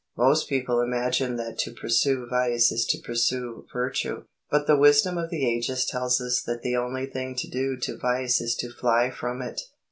Most people imagine that to pursue vice is to pursue virtue. But the wisdom of the ages tells us that the only thing to do to vice is to fly from it.